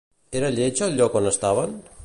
Era lleig el lloc on estaven?